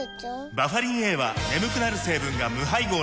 バファリンＡは眠くなる成分が無配合なんです